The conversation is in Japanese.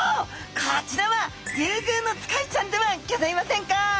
こちらはリュウグウノツカイちゃんではギョざいませんか！